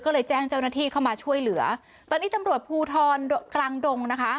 ก็เลยแจ้งเจ้าหน้าที่เข้ามาช่วยเหลือตอนนี้ตำรวจภูทรกลางดงนะคะ